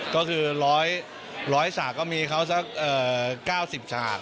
ก็คือ๑๐๐ฉากก็มีเขาสัก๙๐ฉาก